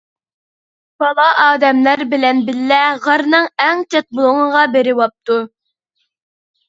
بالا ئادەملەر بىلەن بىللە غارنىڭ ئەڭ چەت بۇلۇڭىغا بېرىۋاپتۇ.